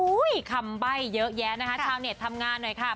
คำใบ้เยอะแยะนะคะชาวเน็ตทำงานหน่อยค่ะ